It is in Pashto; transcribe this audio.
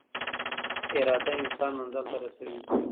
اراده انسان منزل ته رسوي.